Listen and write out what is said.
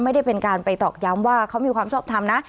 ไม่ได้เป็นการไปตอกย้ำว่าเขามีความชอบทำนะ